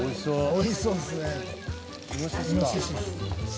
美味しそうですね。